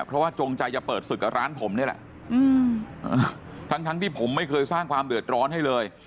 เพราะว่าจงใจจะเปิดศึกกับร้านผมนี่แหละทั้งที่ผมไม่เคยสร้างความเดือดร้อนให้เลย